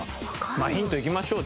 まあヒントいきましょう